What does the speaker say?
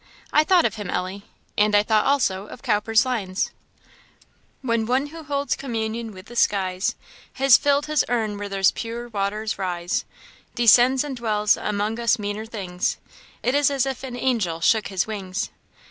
"I thought of him, Ellie. And I thought, also, of Cowper's lines: 'When one who holds communion with the skies Has filled his urn where those pure waters rise, Descends and dwells among us meaner things, It is as if an angel shook his wings!'